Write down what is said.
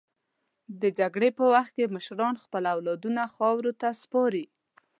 د جګړې په وخت کې مشران خپل اولادونه خاورو ته سپاري.